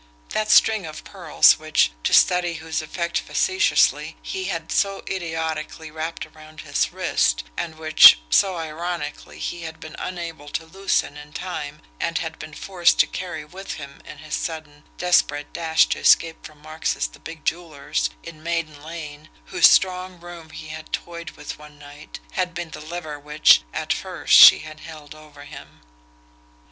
That string of pearls, which, to study whose effect facetiously, he had so idiotically wrapped around his wrist, and which, so ironically, he had been unable to loosen in time and had been forced to carry with him in his sudden, desperate dash to escape from Marx's the big jeweler's, in Maiden Lane, whose strong room he had toyed with one night, had been the lever which, AT FIRST, she had held over him.